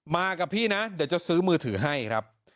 กับพี่นะเดี๋ยวจะซื้อมือถือให้ครับ